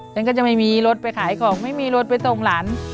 ฉันก็จะไม่มีรถไปขายของไม่มีรถไปส่งหลาน